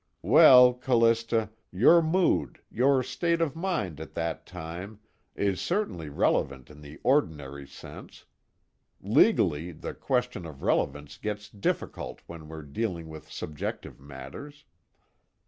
"Well, Callista, your mood, your state of mind at that time, is certainly relevant in the ordinary sense. Legally, the question of relevance gets difficult when we're dealing with subjective matters.